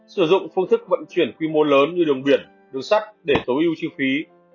sử dụng phương thức vận chuyển quy mô lớn như đường biển đường sắt để tối ưu chi phí